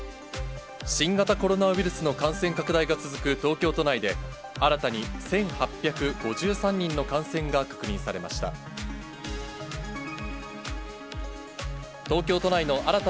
新型コロナウイルスの感染拡大が続く東京都内で、新たに１８５３人の感染が確認されました。